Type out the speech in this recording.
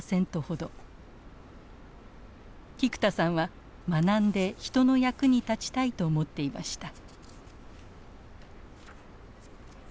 菊田さんは学んで人の役に立ちたいと思っていました。